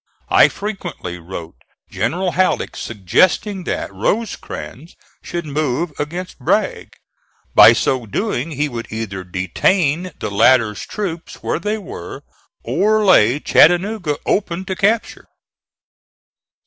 I frequently wrote General Halleck suggesting that Rosecrans should move against Bragg. By so doing he would either detain the latter's troops where they were or lay Chattanooga open to capture.